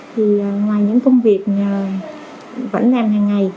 thì ngoài những công việc vẫn làm hàng ngày